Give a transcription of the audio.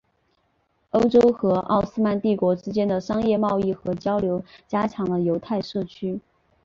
欧洲和奥斯曼帝国之间的商业贸易和交流加强了犹太社区。